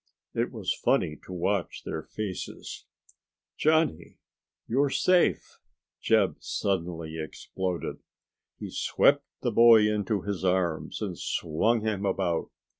It was funny to watch their faces. "Johnny, you're safe!" Jeb suddenly exploded. He swept the boy into his arms and swung him about.